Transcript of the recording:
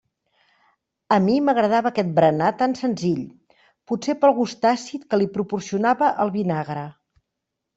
A mi m'agradava aquest berenar tan senzill, potser pel gust àcid que li proporcionava el vinagre.